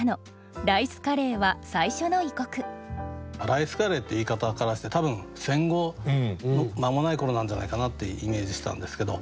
「ライスカレー」って言い方からして多分戦後間もない頃なんじゃないかなってイメージしたんですけど。